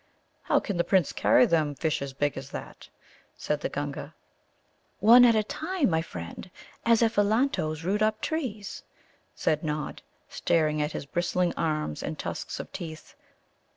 "How can the Prince carry them, fishes big as that?" said the Gunga. "One at a time, my friend, as Ephelantoes root up trees," said Nod, staring at his bristling arms and tusks of teeth.